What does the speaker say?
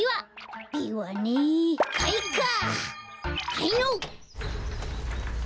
はいのっ！